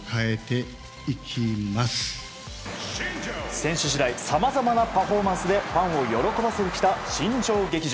選手時代さまざまなパフォーマンスでファンを喜ばせてきた新庄劇場。